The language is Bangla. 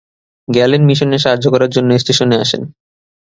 গ্যালেন মিশনে সাহায্য করার জন্য স্টেশনে আসেন।